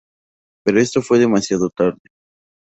Pero esto fue demasiado tarde.